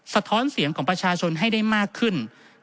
สะท้อนเสียงของประชาชนให้ได้มากขึ้น